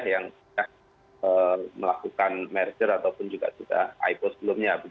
yang melakukan merger ataupun juga juga ipo sebelumnya